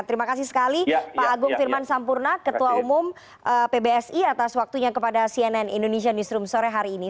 terima kasih sekali pak agung firman sampurna ketua umum pbsi atas waktunya kepada cnn indonesia newsroom sore hari ini